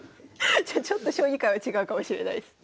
じゃあちょっと将棋界は違うかもしれないです。